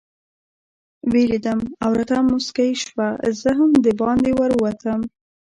ویې لیدم او راته مسکۍ شوه، زه هم دباندې ورووتم.